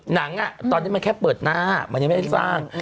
หนังตอนนี้มันแค่เปิดหน้ามันยังไม่ได้สร้าง